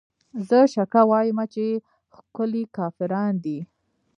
زه شکه وايمه چې ښکلې کافران دي